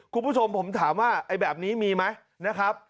คุณผู้ชมผมถามว่าไอ้แบบนี้มีไหมนะครับ